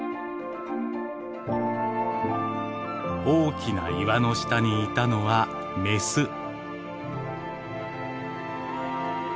大きな岩の下にいたのはメス。